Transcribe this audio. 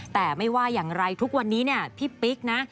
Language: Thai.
แต่ไม่ว่าอย่างไรทุกวันนี้เนี่ยพี่ปิ๊กนะ